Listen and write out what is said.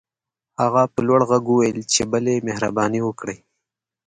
هغه په لوړ غږ وويل چې بلې مهرباني وکړئ.